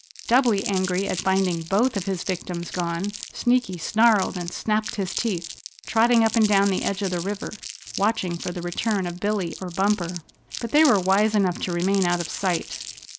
Doubly angry at finding both of his victims gone, Sneaky snarled and snapped his teeth, trotting up and down the edge of the river, watching for the return of Billy or Bumper. But they were wise enough to remain out of sight.